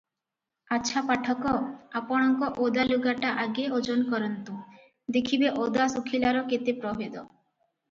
ଆଛା ପାଠକ, ଆପଣଙ୍କ ଓଦା ଲୁଗାଟା ଆଗେ ଓଜନ କରନ୍ତୁ, ଦେଖିବେ ଓଦା ଶୁଖିଲାର କେତେ ପ୍ରଭେଦ ।